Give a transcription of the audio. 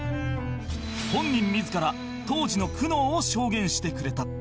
本人自ら当時の苦悩を証言してくれた